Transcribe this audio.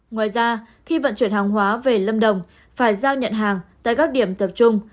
ngoài ra khi vận chuyển hàng hóa về lâm đồng phải giao nhận hàng tại các điểm tập trung